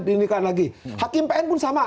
didirikan lagi hakim pn pun sama